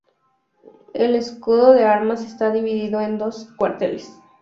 El escudo de armas está dividido en dos cuarteles.